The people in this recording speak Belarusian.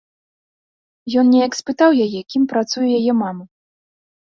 Ён неяк спытаў яе, кім працуе яе мама.